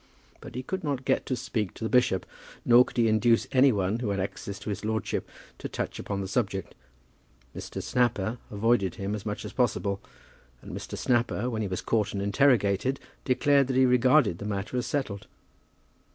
But he could not get to speak to the bishop, nor could he induce any one who had access to his lordship to touch upon the subject. Mr. Snapper avoided him as much as possible; and Mr. Snapper, when he was caught and interrogated, declared that he regarded the matter as settled.